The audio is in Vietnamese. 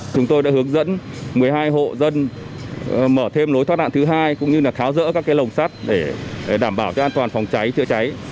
chúng tôi đã hướng dẫn một mươi hai hộ dân mở thêm lối thoát đạn thứ hai cũng như kháo rỡ các lồng sắt để đảm bảo cho an toàn phòng cháy chữa cháy